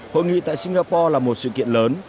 hội nghị tại singapore là một sự kiện lớn